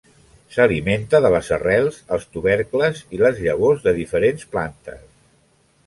S'alimenta de les arrels, els tubercles i les llavors de diferents plantes.